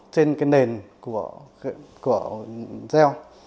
trên cái nền của gel